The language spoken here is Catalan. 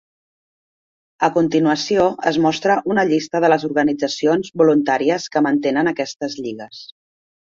A continuació, es mostra una llista de les organitzacions voluntàries que mantenen aquestes lligues.